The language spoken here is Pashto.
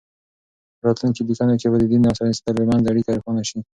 په راتلونکو لیکنو کې به د دین او ساینس ترمنځ اړیکه روښانه شي.